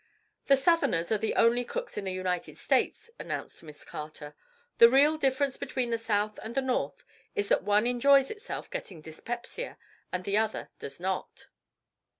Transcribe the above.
"The Southerners are the only cooks in the United States," announced Miss Carter. "The real difference between the South and the North is that one enjoys itself getting dyspepsia and the other does not."